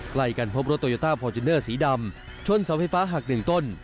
ใกล้กันพบรถโตโยต้าฟอร์จูเนอร์สีดำชนเสาไฟฟ้าหักหนึ่งต้น